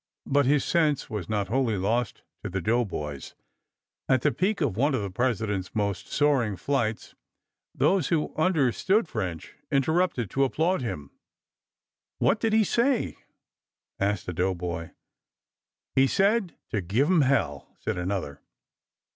But his sense was not wholly lost to the doughboys. At the peak of one of the President's most soaring flights those who understood French interrupted to applaud him. "What did he say?" asked a doughboy. "He said to give 'em hell," said another.